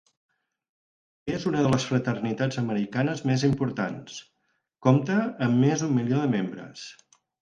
És una de les fraternitats americanes més importants, compta amb més d'un milió de membres.